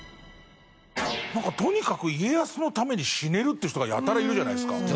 とにかく家康のために死ねるって人がやたらいるじゃないですか。